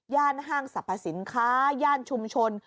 ห้างสรรพสินค้าย่านชุมชน